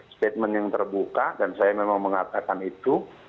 statement yang terbuka dan saya memang mengatakan itu